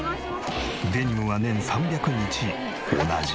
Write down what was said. デニムは年３００日同じ。